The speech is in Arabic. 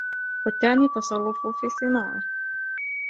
وَالثَّانِي تَصَرُّفٌ فِي صِنَاعَةٍ